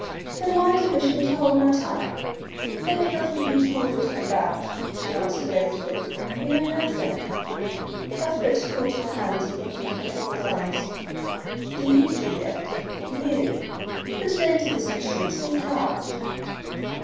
"Then why do you wish me to hold my tongue?" "There is nothing for you to hold your tongue about," she answered evasively. "You know nothing." Cuthbert caught her hands and looked into her troubled eyes. "Do you, Juliet do you? Put an end to this mystery and speak out."